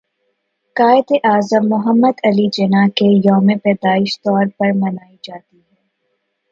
قائد اعظم محمد علی جناح کے يوم پیدائش طور پر منائی جاتى ہے